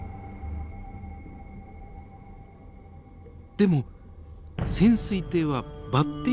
でも潜水艇はバッテリー切れ寸前。